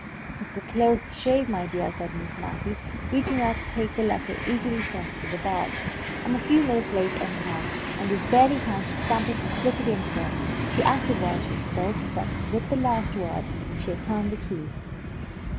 "It's a close shave, my dear," said Miss Mattie, reaching out to take the letter eagerly thrust through the bars. "I'm a few minutes late, anyhow, and there's barely time to stamp it and slip it in, so!" She acted while she spoke, so that with the last word she had turned the key.